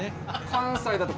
関西だと。